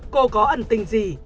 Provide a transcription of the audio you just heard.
cô có ẩn tình gì